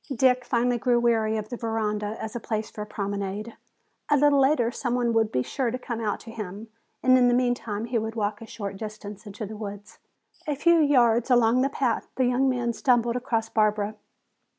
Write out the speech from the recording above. Dick finally grew weary of the veranda as a place for a promenade. A little later some one would be sure to come out to him, and in the meantime he would walk a short distance into the woods. A few yards along the path the young man stumbled across Barbara.